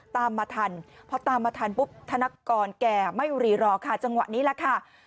ตามมาทันพอตามมาทันปุ๊บธนกรแก่ไม่รีรอค่ะจังหวะนี้แหละค่ะ